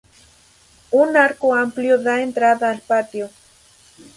Un arco amplio da entrada al patio.